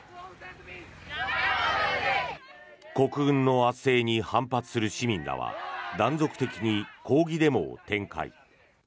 国軍の圧政に反発する市民らは断続的に抗議デモを展開。